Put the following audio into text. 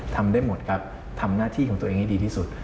ทำได้หมดครับทำหน้าที่ของตัวเองให้ดีที่สุด